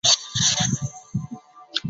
场上司职中场。